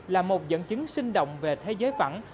là một dẫn chứng sinh động về thế giới phẳng